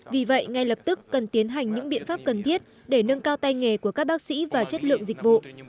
vì vậy ngay lập tức cần tiến hành những biện pháp cần thiết để nâng cao tay nghề của các bác sĩ và chất lượng dịch vụ